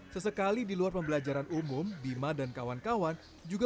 sesekali di luar pembelajaran umum bima dan kawan kawan juga